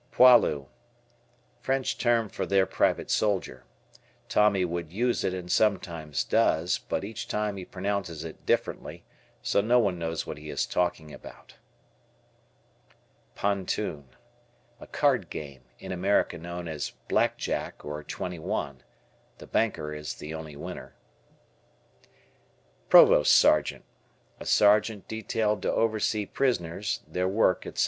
Poilu. French term for their private soldier. Tommy would use it and sometimes does, but each time he pronounces it differently, so no one knows what he is talking about. Pontoon. A card game, in America known as "Black Jack" or "Twenty One." The banker is the only winner. Provost Sergeant. A sergeant detailed to oversee prisoners, their work, etc.